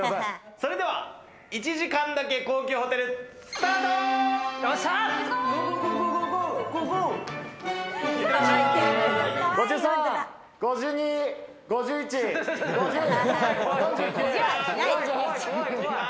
それでは１時間だけ高級ホテレッツゴー！